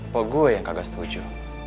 pokok gue yang kagak setuju